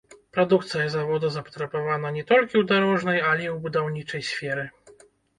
Прадукцыя завода запатрабавана не толькі ў дарожнай, але і ў будаўнічай сферы.